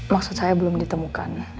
maksud saya belum ditemukan